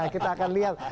kita akan lihat